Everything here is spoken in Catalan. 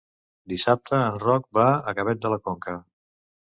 Dissabte en Roc va a Gavet de la Conca.